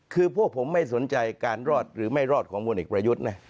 คือพวกผมไม่สนใจการรอดหรือไม่รอดของพลเอกประยุทธ์นะ